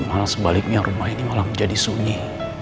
malah sebaliknya rumah ini malah menjadi sunyi